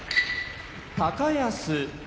高安